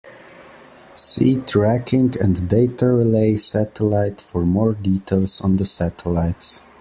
See Tracking and Data Relay Satellite for more details on the satellites.